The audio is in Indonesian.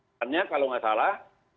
maksudnya kalau tidak salah